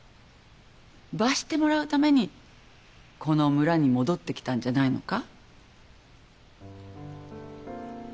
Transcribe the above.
罰してもらうためにこの村に戻ってきたんじゃないのか？